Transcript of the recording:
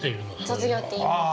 ◆卒業って言います。